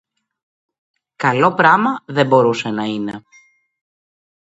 Καλό πράμα δεν μπορούσε να είναι